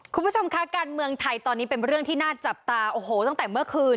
คุณผู้ชมคะการเมืองไทยตอนนี้เป็นเรื่องที่น่าจับตาโอ้โหตั้งแต่เมื่อคืน